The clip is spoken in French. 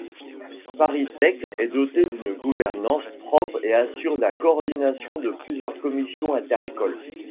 ParisTech est doté d’une gouvernance propre et assure la coordination de plusieurs commissions inter-écoles.